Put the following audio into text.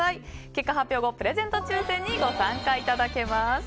結果発表後、プレゼント抽選にご参加いただけます。